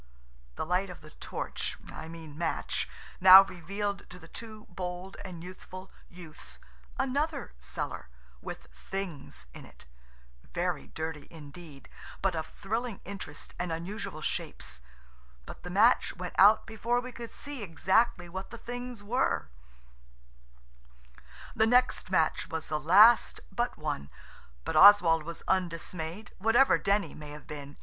The light of the torch, I mean match, now revealed to the two bold and youthful youths another cellar, with things in it–very dirty indeed, but of thrilling interest and unusual shapes, but the match went out before we could see exactly what the things were. OSWALD DID NOT STRIKE THE NEXT MATCH CAREFULLY ENOUGH. The next match was the last but one, but Oswald was undismayed, whatever Denny may have been.